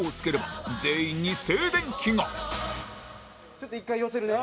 ちょっと一回寄せるね。